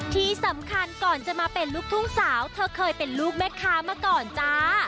ที่สำคัญก่อนจะมาเป็นลูกทุ่งสาวเธอเคยเป็นลูกแม่ค้ามาก่อนจ้า